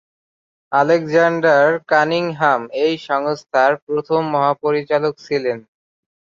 Alexander Cunningham এই সংস্থার প্রথম মহাপরিচালক ছিলেন।